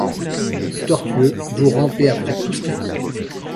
Tortueux, vous rampez après tout ce qui court ;